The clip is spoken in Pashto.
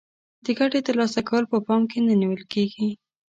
د ګټې تر لاسه کول په پام کې نه نیول کیږي.